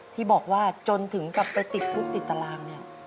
ที่บอกว่าจนถึงกลับไปติดพุทธติดตาราง